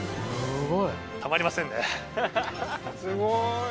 すごい。